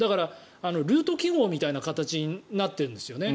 ルート記号みたいな形になってるんですよね。